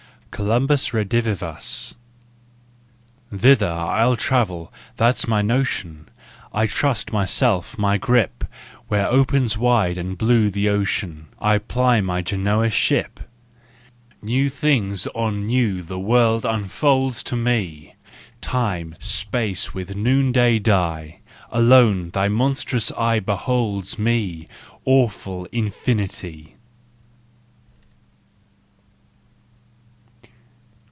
COLUMBUS REDIVIVUS. Thither I'll travel, that's my notion, I'll trust myself, my grip, Where opens wide and blue the ocean I'll ply my Genoa ship. New things on new the world unfolds me, Time, space with noonday die: Alone thy monstrous eye beholds me, Awful Infinity!